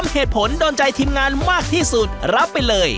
เหตุผลโดนใจทีมงานมากที่สุดรับไปเลย